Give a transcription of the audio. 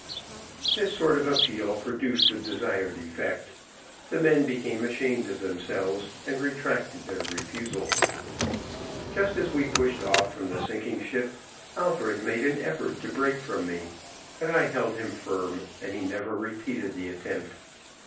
This sort of appeal produced the desired effect; the men became ashamed of themselves, and retracted their refusal. Just as we pushed off from the sinking ship Alfred made an effort to break from me, but I held him firm, and he never repeated the attempt.